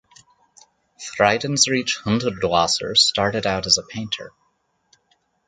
Friedensreich Hundertwasser started out as a painter.